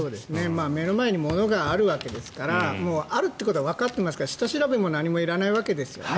目の前に物があるわけですからあるってことがわかってますから下調べもいらないわけですね。